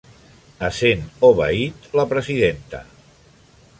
Essent Obaid la presidenta.